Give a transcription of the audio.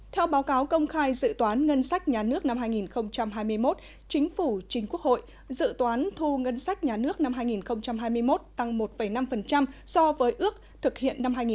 theo báo cáo công khai dự toán ngân sách nhà nước năm hai nghìn hai mươi một chính phủ chính quốc hội dự toán thu ngân sách nhà nước năm hai nghìn hai mươi một tăng một năm so với ước thực hiện năm hai nghìn hai mươi